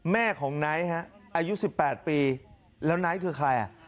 แม่ของไนท์ฮะอายุ๑๘ปีแล้วไนท์คือใครอ่ะ